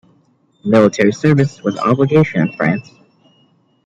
Military service was an obligation in France.